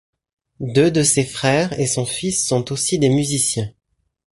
Deux de ses frères et son fils sont aussi des musiciens.